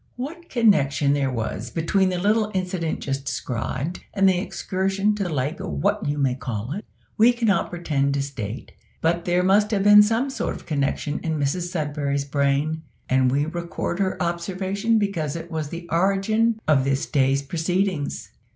What connection there was between the little incident just described and the excursion to Lake "What you may call it" we cannot pretend to state; but there must have been some sort of connection in Mrs Sudberry's brain, and we record her observation because it was the origin of this day's proceedings.